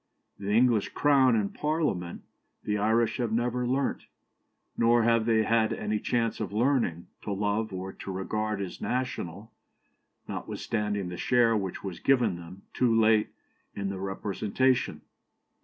The English Crown and Parliament the Irish have never learnt, nor have they had any chance of learning, to love, or to regard as national, notwithstanding the share which was given them, too late, in the representation.